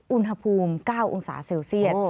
อุณหภูมิ๙องศาเซลเซียส